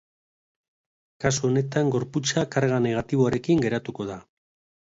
Kasu honetan gorputza karga negatiboarekin geratuko da.